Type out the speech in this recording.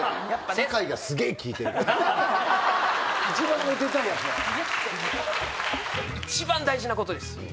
一番大事なことです。